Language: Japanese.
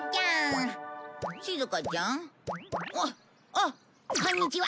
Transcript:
あっこんにちは。